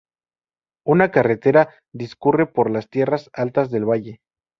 Una carretera discurre por las tierras altas del valle.